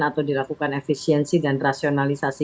atau dilakukan efisiensi dan rasionalisasi